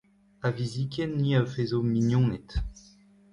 A-viziken ni a vezo mignoned.